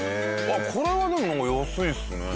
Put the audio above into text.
あっこれはでも安いですね。